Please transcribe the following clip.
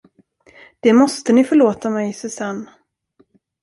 Det måste ni förlåta mig, Susanne!